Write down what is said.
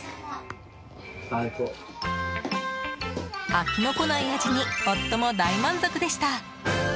飽きの来ない味に夫も大満足でした。